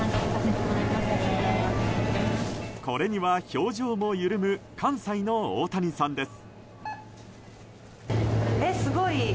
これには表情も緩む関西のオオタニさんです。